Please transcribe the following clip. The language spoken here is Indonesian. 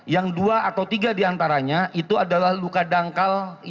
yang dua atau tiga di antaranya itu adalah luka dangkal yang tidak berhasil